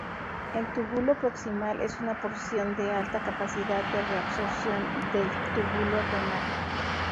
El túbulo proximal es una porción de alta capacidad de reabsorción del túbulo renal.